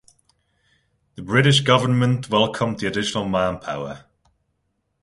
The British government welcomed the additional manpower.